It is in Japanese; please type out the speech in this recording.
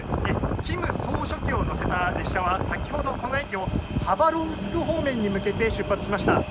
金総書記を乗せた列車は先ほど、この駅をハバロフスク方面に向けて出発しました。